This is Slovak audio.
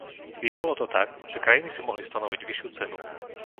Bývalo to tak, že krajiny si mohli stanoviť vyššiu cenu.